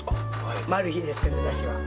マル秘ですけど、だしは。